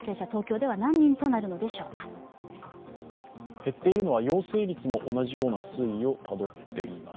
減っているのは陽性率も同じような推移をたどっています。